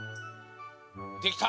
できた！